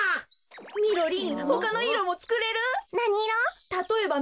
みろりんほかのいろもつくれる？